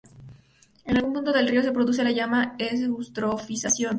En algún punto del río se produce la llamada eutrofización.